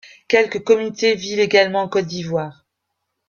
Quelques communautés vivent également en Côte d'Ivoire.